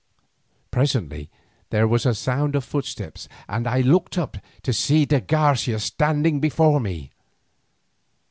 Presently there was a sound of footsteps and I looked up to see de Garcia standing before me.